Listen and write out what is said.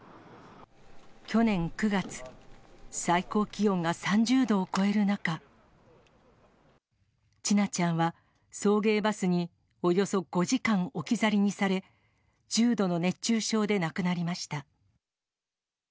去年９月、最高気温が３０度を超える中、千奈ちゃんは、送迎バスにおよそ５時間置き去りにされ、重度の熱中症で亡くなりました。